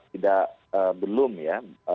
tidak belum ya